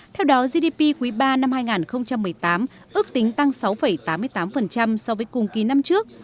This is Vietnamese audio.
theo đó gdp quý ba năm hai nghìn một mươi tám ước tính tăng sáu tám mươi tám so với cùng kỳ năm trước